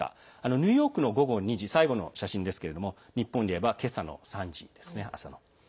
ニューヨークの午後２時は最後の写真ですけれども日本でいえば今朝の３時ですね。